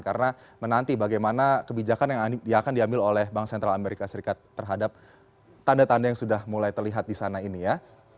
karena menanti bagaimana kebijakan yang akan diambil oleh bank sentral amerika serikat terhadap tanda tanda yang sudah mulai terlihat di sana ini ya